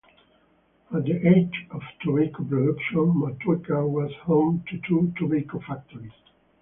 At the height of tobacco production, Motueka was home to two tobacco factories.